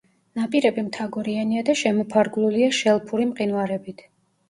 ნაპირები მთაგორიანია და შემოფარგლულია შელფური მყინვარებით.